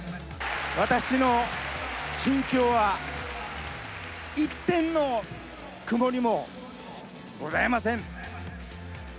私の心境は、一点の曇りもございません。